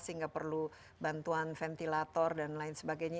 mungkin tidak perlu bantuan ventilator dan lain sebagainya